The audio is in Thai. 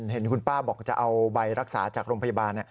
เห็นคุณป้าบอกจะเอาใบรักษาจากโรงพยาบาล